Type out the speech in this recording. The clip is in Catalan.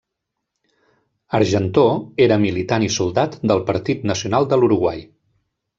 Argentó era militant i soldat del Partit Nacional de l'Uruguai.